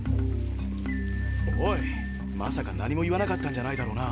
おいまさか何も言わなかったんじゃないだろうな。